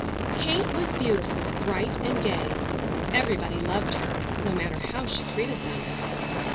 Kate was beautiful, bright and gay. Everybody loved her, no matter how she treated them.